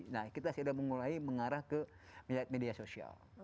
nah kita sudah mulai mengarah ke media sosial